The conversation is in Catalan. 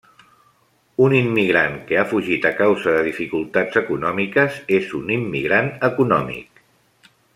Un immigrant que ha fugit a causa de dificultats econòmiques és un immigrant econòmic.